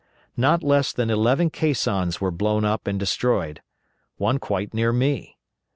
Not less than eleven caissons were blown up and destroyed; one quite near me.